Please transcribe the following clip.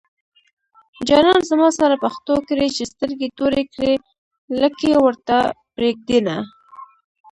جانان زما سره پښتو کړي چې سترګې توري کړي لکۍ ورته پرېږدينه